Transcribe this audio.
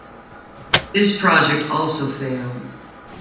This project also failed.